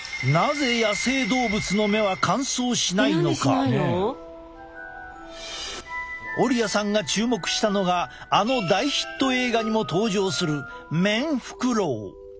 え何でしないの？オリアさんが注目したのがあの大ヒット映画にも登場するメンフクロウ。